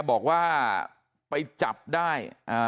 บอกว่าไปจับได้